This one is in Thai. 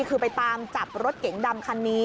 คือไปตามจับรถเก๋งดำคันนี้